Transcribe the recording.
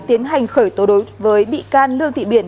tiến hành khởi tố đối với bị can